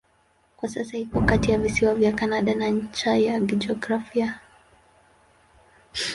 Kwa sasa iko kati ya visiwa vya Kanada na ncha ya kijiografia.